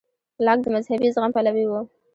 لاک د مذهبي زغم پلوی و.